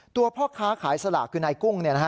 พ่อค้าขายสลากคือนายกุ้ง